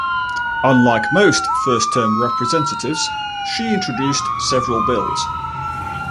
Unlike most first-term Representatives, she introduced several bills.